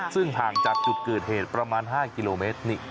ซึ่งห่างจากจุดเกิดเหตุประมาณ๕กิโลเมตร